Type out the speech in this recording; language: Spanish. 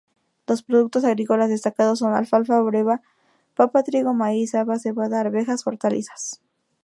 Los productos agrícolas destacados son: alfalfa, breva, papa, trigo, maíz, haba, cebada, arvejas, hortalizas.